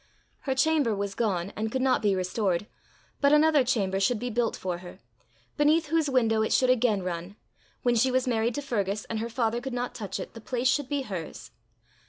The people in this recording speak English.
Her chamber was gone, and could not be restored, but another chamber should be built for her, beneath whose window it should again run: when she was married to Fergus, and her father could not touch it, the place should be hers.